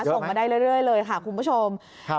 ส่งมาได้เรื่อยเลยค่ะคุณผู้ชม